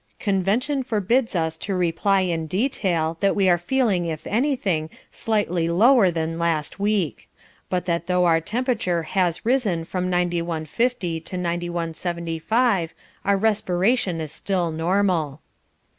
Convention forbids us to reply in detail that we are feeling if anything slightly lower than last week, but that though our temperature has risen from ninety one fifty to ninety one seventy five, our respiration is still normal.